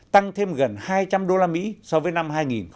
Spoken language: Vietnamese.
tăng thêm gần hai trăm linh usd so với năm hai nghìn một mươi tám